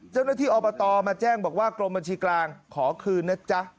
เจ้าหน้าที่อบตมาแจ้งบอกว่ากรมบัญชีกลางขอคืนนะจ๊ะ